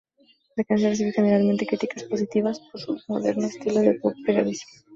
La canción recibió generalmente críticas positivas por su moderno estilo de pop pegadizo.